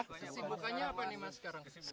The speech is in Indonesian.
kesibukannya apa nih mas sekarang kesibukan